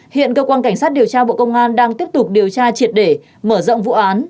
hiện cơ quan cảnh sát điều tra bộ công an đang tiếp tục điều tra triệt để mở rộng vụ án